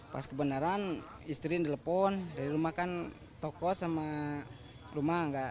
pas kebenaran istri nelpon dari rumah kan toko sama rumah